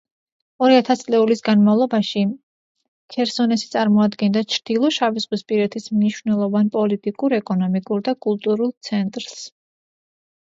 ორი ათასწლეულის განმავლობაში ქერსონესი წარმოადგენდა ჩრდილო შავიზღვისპირეთის მნიშვნელოვან პოლიტიკურ, ეკონომიკურ და კულტურულ ცენტრს.